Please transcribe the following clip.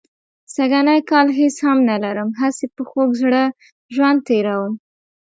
سږنی کال هېڅ هم نه لرم، هسې په خوږ زړه ژوند تېروم.